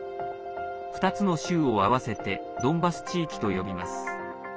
２つの州を合わせてドンバス地域と呼びます。